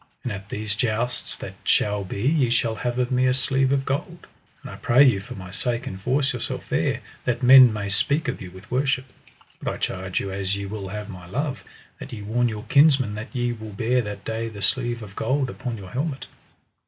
And at these jousts that shall be ye shall have of me a sleeve of gold; and I pray you for my sake enforce yourself there, that men may speak of you worship; but I charge you as ye will have my love, that ye warn your kinsmen that ye will bear that day the sleeve of gold upon your helmet.